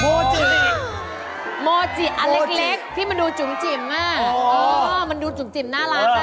โมจิอันเล็กที่มันดูจุ๋มจิ๋มอ่ะอ๋อมันดูจุ๋มจิ๋มน่ารักอ่ะ